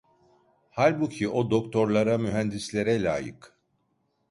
Halbuki o doktorlara, mühendislere layık…